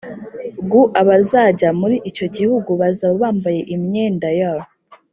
guabazajya muri icyogihu bazaba bambaye imyenda year